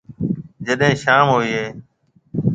جڏي شوم ھوئِي۔